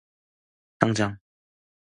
당장!